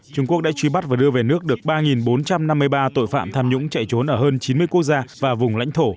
trung quốc đã truy bắt và đưa về nước được ba bốn trăm năm mươi ba tội phạm tham nhũng chạy trốn ở hơn chín mươi quốc gia và vùng lãnh thổ